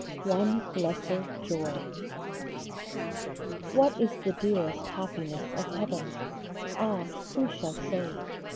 ONE LESSER JOY. | HAT is the dearest happiness of heaven? Ah, who shall say